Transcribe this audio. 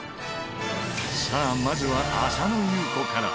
さあまずは浅野ゆう子から。